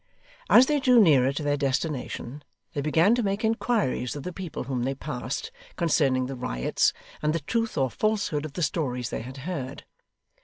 As they drew nearer to their destination, they began to make inquiries of the people whom they passed, concerning the riots, and the truth or falsehood of the stories they had heard.